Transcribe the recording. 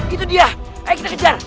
itu dia ayo kita kejar